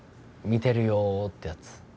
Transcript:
「見てるよ」ってやつ。